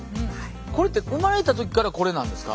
これって生まれた時からこれなんですか？